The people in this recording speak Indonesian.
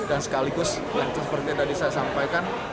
dan sekaligus seperti yang tadi saya sampaikan